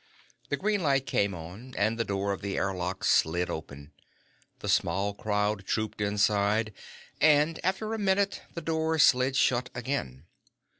The green light came on, and the door of the air lock slid open. The small crowd trooped inside, and, after a minute, the door slid shut again.